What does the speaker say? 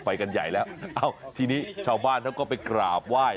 ไปกันใหญ่แล้วเอ้าทีนี้ชาวบ้านเขาก็ไปกราบไหว้